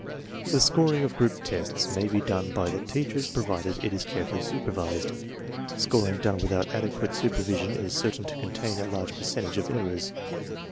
The scoring of group tests may be done by the teach ers, provided it is carefully supervised. Scoring done without adequate supervision is certain to contain a large percentage of errors.